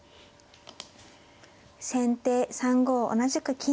先手３五同じく金。